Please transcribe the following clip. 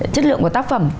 chất lượng của tác phẩm